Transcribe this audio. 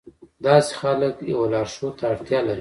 داسې خلک يوه لارښود ته اړتيا لري.